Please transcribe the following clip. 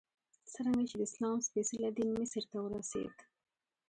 څرنګه چې د اسلام سپېڅلی دین مصر ته ورسېد.